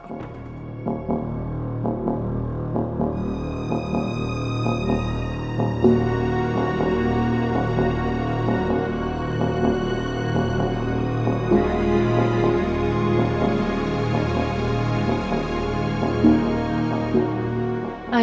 dur butuh diri